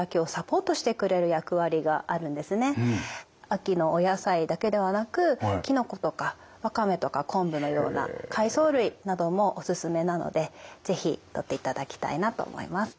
秋のお野菜だけではなくきのことかワカメとか昆布のような海藻類などもおすすめなので是非とっていただきたいなと思います。